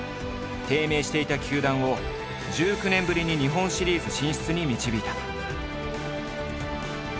低迷していた球団を１９年ぶりに日本シリーズ進出に導いた。